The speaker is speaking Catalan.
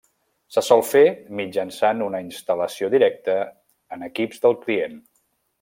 Se sol fer mitjançant una instal·lació directa en equips del client.